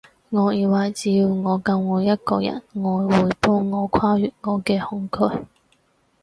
我以為只要我夠愛一個人，愛會幫我跨越我嘅恐懼